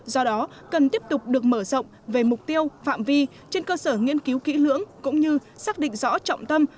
do đó cần tiếp tục được mở rộng về mục tiêu phạm vi trên cơ sở nghiên cứu kỹ lưỡng cũng như xác định rõ trọng tâm